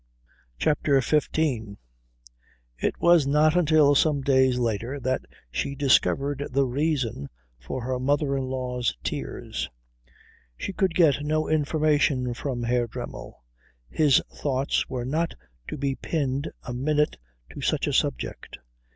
CHAPTER XV It was not until some days later that she discovered the reason for her mother in law's tears. She could get no information from Herr Dremmel. His thoughts were not to be pinned a minute to such a subject.